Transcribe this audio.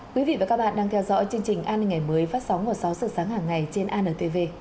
quý vị và các bạn đang theo dõi chương trình an ninh ngày mới phát sóng vào sáu giờ sáng hàng ngày trên antv